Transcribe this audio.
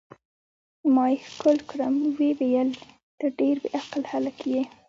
ما یې ښکل کړم، ویې ویل: ته ډېر بې عقل هلک یې.